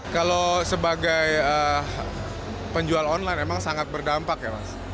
kalau sebagai penjual online memang sangat berdampak ya mas